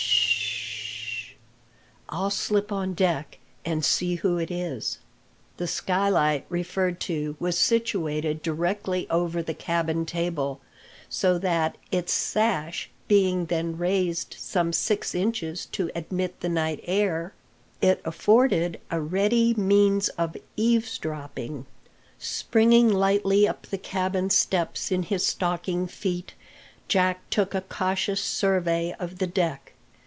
"S s sh! I'll slip on deck and see who it is." The skylight referred to was situated directly over the cabin table, so that, its sash being then raised some six inches to admit the night air, it afforded a ready means of eavesdropping. Springing lightly up the cabin steps in his stocking feet, Jack took a cautious survey of the deck.